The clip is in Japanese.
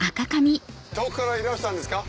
どこからいらしたんですか？